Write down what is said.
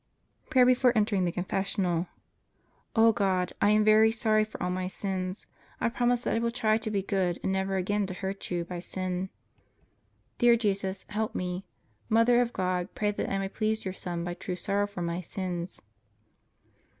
PRAYER BEFORE ENTERING THE CONFESSIONAL O God, I am very sorry for all my sins. I promise that I will try to be good and never again to hurt You by sin. Dear Jesus, help me. Mother of God, pray that I may please Your Son by true sorrow for my sins.